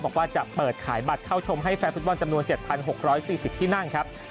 บอกว่าจะเปิดขายบัตรเข้าชมให้แฟนฟุตบอลจำนวน๗๖๔๐ที่นั่งครับ